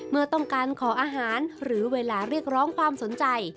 เมื่อต้องการขออาหารหรือเวลาเรียกร้องความสนใจ